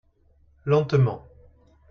Lentement.